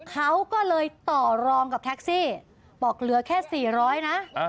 เขาก็เลยต่อรองกับแท็กซี่บอกเหลือแค่๔๐๐นะ